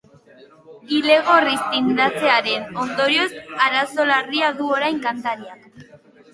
Ilea gorriz tindatzearen ondorioz arazo larria du orain kantariak.